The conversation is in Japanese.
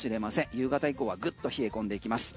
夕方以降はぐっと冷え込んでいきます。